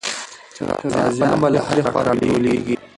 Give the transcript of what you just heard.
غازیان به له هرې خوا راټولېږي.